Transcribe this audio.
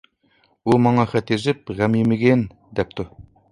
-ئۇ ماڭا خەت يېزىپ، غەم يېمىگىن، دەپتۇ!